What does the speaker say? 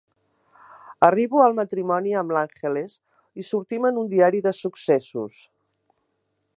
Arribo al matrimoni amb l'Ángeles i sortim en un diari de successos.